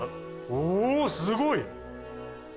おすごい！